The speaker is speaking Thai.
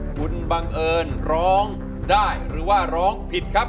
คุณบังเอิญร้องได้หรือว่าร้องผิดครับ